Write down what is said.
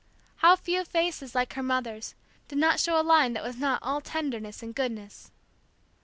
How few faces, like her mother's, did not show a line that was not all tenderness and goodness.